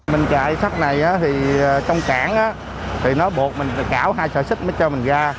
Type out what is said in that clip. mình chạy sắt này thì trong cảng thì nó buộc mình cảo hai sợi xích mới cho mình ra